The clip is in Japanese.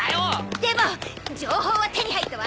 でも情報は手に入ったわ。